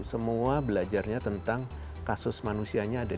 semua belajarnya tentang kasus manusianya ada di bumi